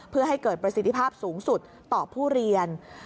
เพื่อให้เกิดประสิทธิภาพสูงสุดต่อผู้เรียน